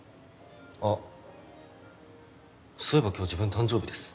あっそういえば今日自分誕生日です。